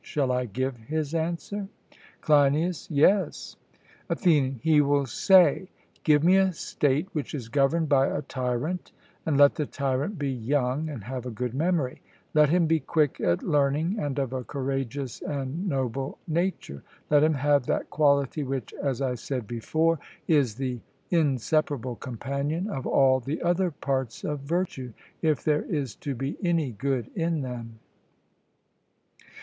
Shall I give his answer? CLEINIAS: Yes. ATHENIAN: He will say 'Give me a state which is governed by a tyrant, and let the tyrant be young and have a good memory; let him be quick at learning, and of a courageous and noble nature; let him have that quality which, as I said before, is the inseparable companion of all the other parts of virtue, if there is to be any good in them.'